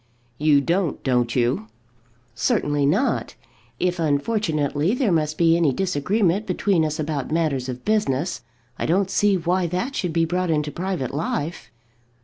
"You don't, don't you?" "Certainly not. If, unfortunately, there must be any disagreement between us about matters of business, I don't see why that should be brought into private life."